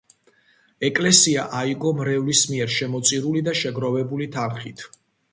ეკლესია აიგო მრევლის მიერ შემოწირული და შეგროვებული თანხით.